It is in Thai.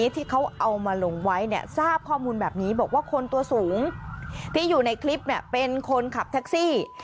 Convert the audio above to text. ที่เขาเอามาลงไว้เนี่ยทราบข้อมูลแบบนี้บอกว่าคนตัวสูงที่อยู่ในคลิปเป็นคนขับแท็กซี่